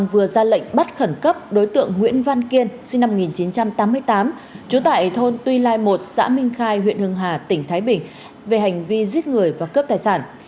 vừa ra lệnh bắt khẩn cấp đối tượng nguyễn văn kiên sinh năm một nghìn chín trăm tám mươi tám trú tại thôn tuy lai một xã minh khai huyện hưng hà tỉnh thái bình về hành vi giết người và cướp tài sản